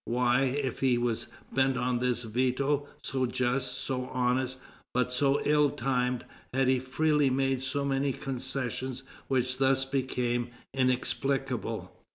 Why, if he was bent on this veto, so just, so honest, but so ill timed, had he freely made so many concessions which thus became inexplicable?